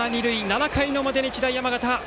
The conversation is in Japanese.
７回の表、日大山形。